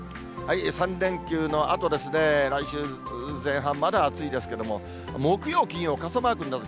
３連休のあとですね、来週前半まだ暑いですけども、木曜、金曜、傘マークになる。